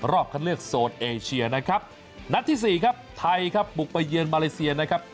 รอบเข้าเลือกโซนเอเชียนะครับนัทที่๔ครับไทยครับปลูกประเยียนมาเลเซียนะครับ